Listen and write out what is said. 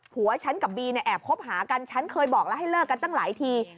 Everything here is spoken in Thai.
หัวฉันกับบีเนี่ยแอบคบหากันฉันเคยบอกแล้วให้เลิกกันตั้งหลายที